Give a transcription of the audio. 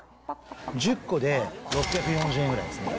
１０個で６４０円ぐらいですね。